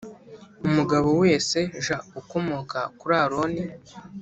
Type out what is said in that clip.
Umugabo wese j ukomoka kuri Aroni